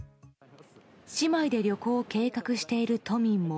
姉妹で旅行を計画している都民も。